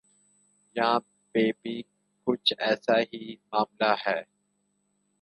یہاں پہ بھی کچھ ایسا ہی معاملہ ہے۔